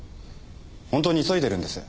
本当に急いでるんです。